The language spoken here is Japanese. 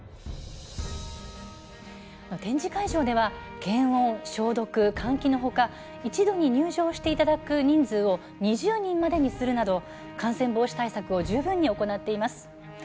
展示会場では検温、消毒、換気のほか一度に入場していただく人数を２０人までにするなど感染防止対策を十分に行っています。